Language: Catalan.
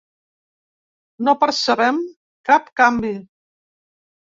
No percebem cap canvi.